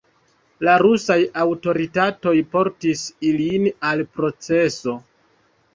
La rusaj aŭtoritatoj portis ilin al proceso.